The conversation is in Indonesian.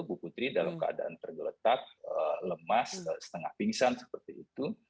bu putri dalam keadaan tergeletak lemas setengah pingsan seperti itu